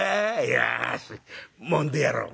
よしもんでやろう」。